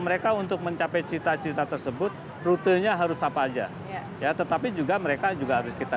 mereka untuk mencapai cita cita tersebut rutenya harus apa aja ya tetapi juga mereka juga harus kita